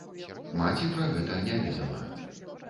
Маці пра гэта не ведала.